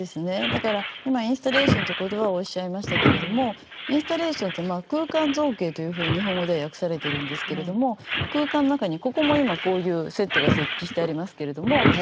だから今インスタレーションって言葉をおっしゃいましたけれどもインスタレーションって空間造形というふうに日本語では訳されてるんですけれども空間の中にここも今こういうセットが設置してありますけれども。